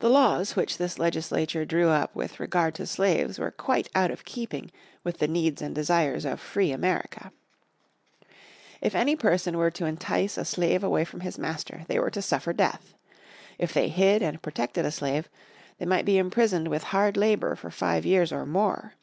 The laws which this legislature drew up with regard to slaves were quite out of keeping with the needs and desires of free America. If any person were to entice a slave away from his master they were to suffer death. If they hid and protected a slave, they might be imprisoned with hard labour for five years or more.